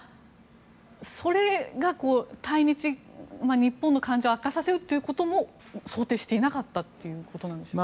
それが、日本の感情を悪化させるということも想定していなかったということでしょうか。